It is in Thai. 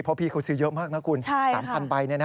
เพราะพี่เขาซื้อเยอะมากนะคุณ๓๐๐ใบ